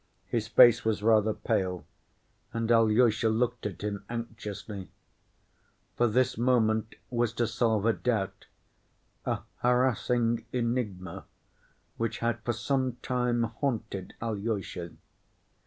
His face was rather pale, and Alyosha looked at him anxiously. For this moment was to solve a doubt, a harassing enigma which had for some time haunted Alyosha.